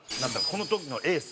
この時のエース。